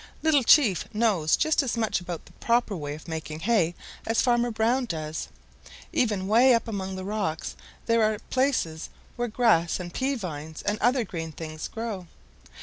Little Chief knows just as much about the proper way of making hay as Farmer Brown does. Even way up among the rocks there are places where grass and peas vines and other green things grow.